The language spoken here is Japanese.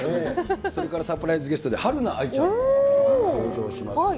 それからサプライズゲストではるな愛ちゃん、登場します。